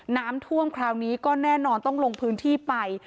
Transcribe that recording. น้ำท่วมคราวนี้ก็แน่นอนต้องลงพื้นที่ไป